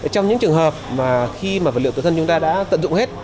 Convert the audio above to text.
trong những trường hợp mà khi mà vật liệu tự thân chúng ta đã tận dụng hết